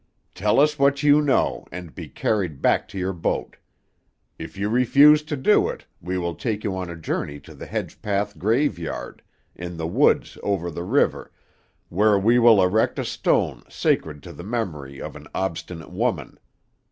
"Tell us what you know, and be carried back to your boat. If you refuse to do it, we will take you on a journey to the Hedgepath graveyard, in the woods over the river, where we will erect a stone Sacred to the Memory of an Obstinate Woman.